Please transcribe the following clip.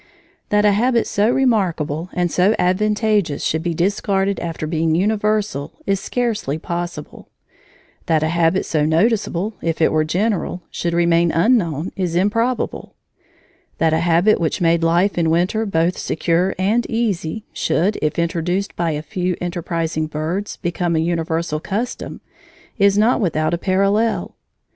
That a habit so remarkable and so advantageous should be discarded after being universal is scarcely possible; that a habit so noticeable, if it were general, should remain unknown is improbable; that a habit which made life in winter both secure and easy should, if introduced by a few enterprising birds, become a universal custom, is not without a parallel.